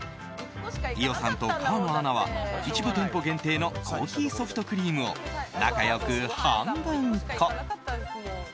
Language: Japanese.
伊代さんと川野アナは一部店舗限定の珈琲ソフトクリームを仲良く半分こ。